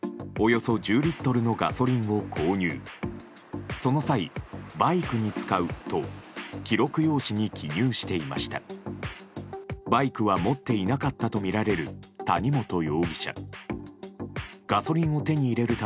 その際、「バイクに使う」と記録用紙に記入していました。